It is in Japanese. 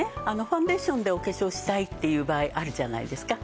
ファンデーションでお化粧したいっていう場合あるじゃないですか。